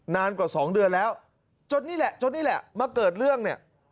นานกว่าสองเดือนแล้วจนนี้แหละมาเกิดเรื่องเนี่ย